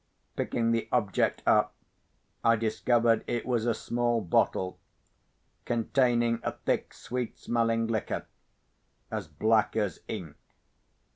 Picking the object up, I discovered it was a small bottle, containing a thick sweet smelling liquor, as black as ink.